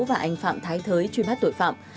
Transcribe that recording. và anh phạm thái thới truy bắt tội phạm